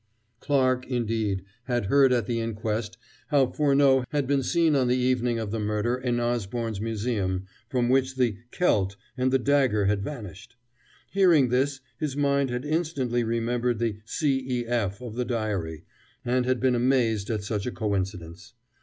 Clarke, indeed, had heard at the inquest how Furneaux had been seen on the evening of the murder in Osborne's museum, from which the "celt" and the dagger had vanished. Hearing this, his mind had instantly remembered the "C. E. F." of the diary, and had been amazed at such a coincidence.